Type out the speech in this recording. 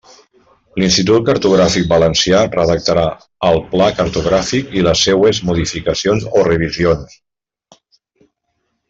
L'Institut Cartogràfic Valencià redactarà el Pla cartogràfic i les seues modificacions o revisions.